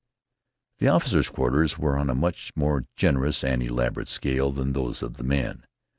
The officers' quarters were on a much more generous and elaborate scale than those of the men.